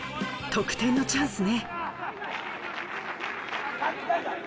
得点のチャンスね。